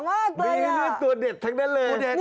มีเลือดตัวเด็ดทั้งนั้นเลย